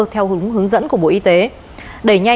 theo hướng dẫn của bộ y tế